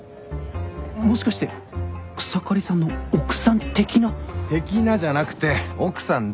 もしかして草刈さんの奥さん的な？的なじゃなくて奥さんだ。